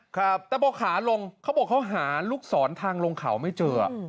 ครับแต่พอขาลงเขาบอกเขาหาลูกศรทางลงเขาไม่เจอ